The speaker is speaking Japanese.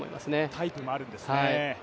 タイプもあるんですね。